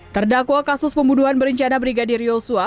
terdakwa kasus pembunuhan berencana brigadir yosua